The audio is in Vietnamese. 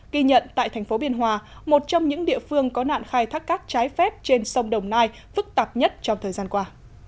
ghi nhận tại thành phố biên hòa một trong những địa phương có nạn khai thác cát trái phép trên sông đồng nai phức tạp nhất trong thời gian qua